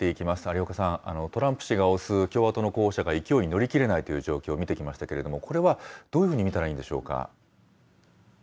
有岡さん、トランプ氏が推す共和党の候補者が勢いに乗りきれないという状況を見てきましたけれども、どういうふうに見たらいいんでしょうか。